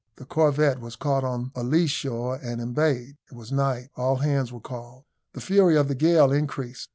The corvette was caught on a lee shore and embayed. It was night. All hands were called. The fury of the gale increased.